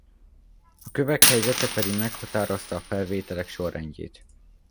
A kövek helyzete pedig meghatározta a felvételek sorrendjét.